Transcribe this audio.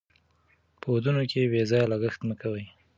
په ودونو کې بې ځایه لګښت مه کوئ.